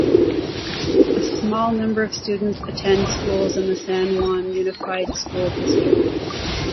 A small number of students attend schools in the San Juan Unified School District.